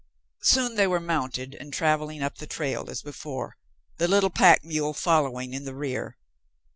Soon they were mounted and traveling up the trail as before, the little pack mule following in the rear.